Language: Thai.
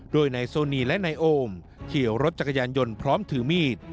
โดยนายโซนีและนายโอมขี่รถจักรยานยนต์พร้อมถือมีด